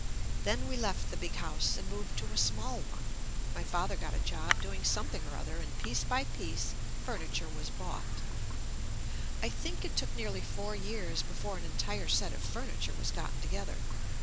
Then we left the big house JUST ME and moved to a small one. My father got a job doing something or other and piece by piece furniture was bought. I think it took nearly four years before an entire set of fur niture was gotten together.